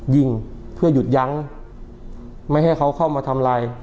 ยิงเพื่อหยุดยั้งไม่ให้เขาเข้ามาทำลาย